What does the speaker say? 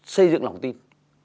xây dựng lòng tin